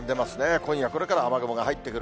今夜これから雨雲が入ってくる。